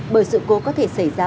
bởi sự cố có thể xảy ra